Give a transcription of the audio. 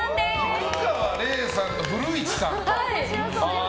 菊川怜さんと古市さん。